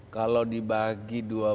kalau dibagi dua belas